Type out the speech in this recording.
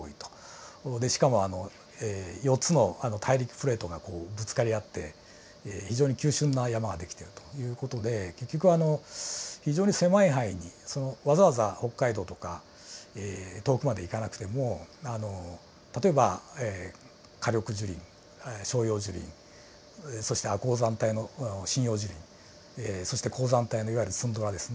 しかも４つの大陸プレートがこうぶつかり合って非常に急峻な山が出来ているという事で結局非常に狭い範囲にわざわざ北海道とか遠くまで行かなくても例えば夏緑樹林照葉樹林そして亜高山帯の針葉樹林そして高山帯のいわゆるツンドラですね。